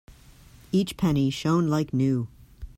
Each penny shone like new.